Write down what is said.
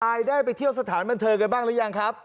ได้ไปเที่ยวสถานบันเทิงกันบ้างหรือยังครับ